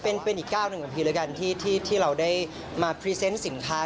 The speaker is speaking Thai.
เป็นอีกก้าวหนึ่งของพีแล้วกันที่เราได้มาพรีเซนต์สินค้า